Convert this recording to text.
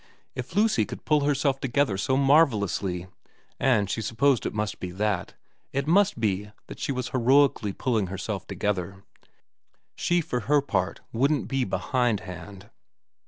If Lucy could pull herself together so marvellously and she supposed it must be that, it must be that she was heroically pulling herself together she for her part wouldn't be behindhand.